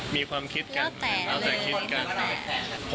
มีความคิดกันเอาแต่คิดกัน